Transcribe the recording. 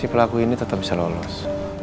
si pelaku ini tetap bisa lolos